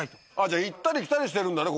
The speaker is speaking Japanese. じゃ行ったり来たりしてるんだね